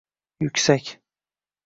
Yuksak